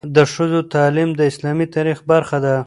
د ښځو تعلیم د اسلامي تاریخ برخه ده.